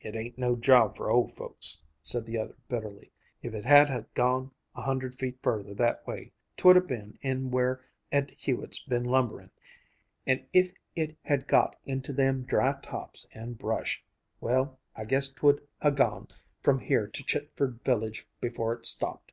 "It ain't no job for old folks," said the other bitterly. "If it had ha' gone a hundred feet further that way, 'twould ha' been in where Ed Hewitt's been lumberin', and if it had got into them dry tops and brush well, I guess 'twould ha' gone from here to Chitford village before it stopped.